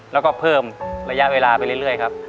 แล้วก็เพิ่มระยะเวลาไปเรื่อยครับ